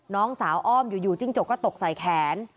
น้องสาวอ้อมอยู่จิ้งจกก็ตกใส่แขน